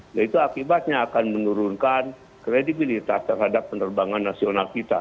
nah itu akibatnya akan menurunkan kredibilitas terhadap penerbangan nasional kita